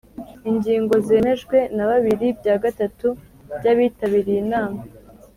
Ingingo zemejwe na bibiri bya gatatu by’abitabiriye inama